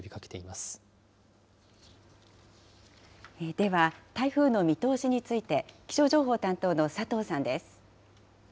では、台風の見通しについて、気象情報担当の佐藤さんです。